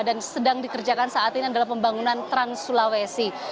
dan sedang dikerjakan saat ini adalah pembangunan trans sulawesi